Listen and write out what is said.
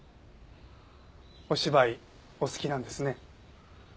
お芝居お好きなんですね。